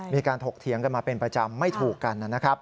ถกเถียงกันมาเป็นประจำไม่ถูกกันนะครับ